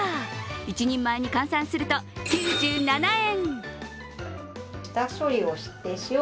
１人前に換算すると９７円。